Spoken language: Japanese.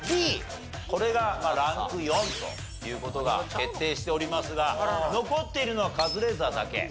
これがランク４という事が決定しておりますが残っているのはカズレーザーだけ。